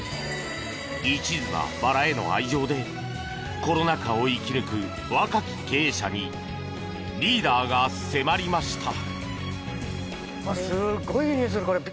一途なバラへの愛情でコロナ禍を生き抜く若き経営者にリーダーが迫りました！